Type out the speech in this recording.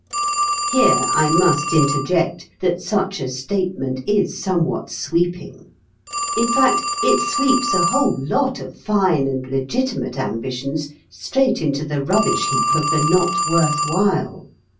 Here I must interject that such a statement is somewhat sweeping. In fact, it sweeps a whole lot of fine and legitimate ambitions straight into the rubbish heap of the Not worth while.